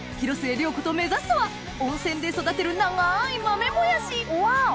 涼子と目指すは温泉で育てる長い豆もやしウワオ！